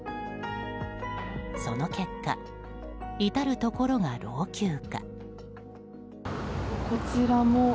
その結果至るところが老朽化。